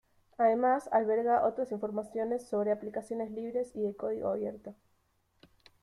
Además, alberga otras informaciones sobre aplicaciones libres y de código abierto.